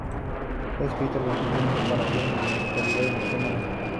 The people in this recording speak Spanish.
Fue escrita originalmente para piano en la tonalidad de sol menor.